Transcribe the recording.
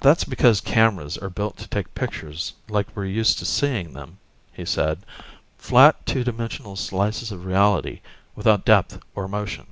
"That's because cameras are built to take pictures like we're used to seeing them," he said. "Flat, two dimensional slices of reality, without depth or motion."